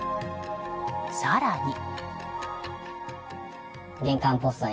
更に。